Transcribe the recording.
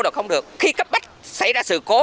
là không được khi cấp bách xảy ra sự cố